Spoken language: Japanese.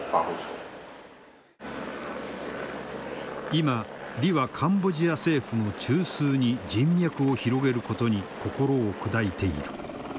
今李はカンボジア政府の中枢に人脈を広げることに心を砕いている。